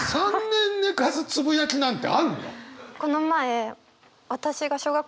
３年寝かすつぶやきなんてあるの！？